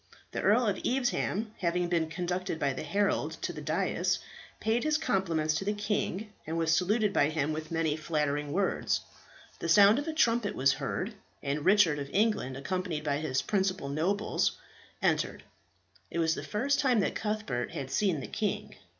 The Earl of Evesham, having been conducted by the herald to the dais, paid his compliments to the king, and was saluted by him with many flattering words. The sound of a trumpet was heard, and Richard of England, accompanied by his principal nobles, entered. It was the first time that Cuthbert had seen the king.